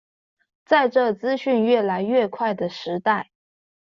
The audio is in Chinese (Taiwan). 在這資訊越來越快的時代